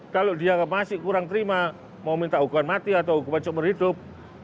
kalau dia masih kurang terima mau minta hukuman mati atau hukuman seumur hidup